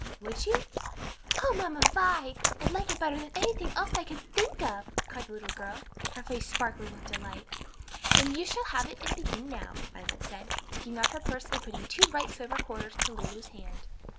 Would you?" "O Mamma Vi! I'd like it better than anything else I can think of!" cried the little girl, her face sparkling with delight. "Then you shall have it and begin now," Violet said, taking out her purse and putting two bright silver quarters into Lulu's hand.